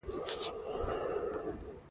پښتو ژبه زموږ د پلار او نیکه میراث دی.